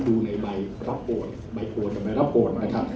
ดูในใบรับโอนใบโปรดกับใบรับโอนนะครับ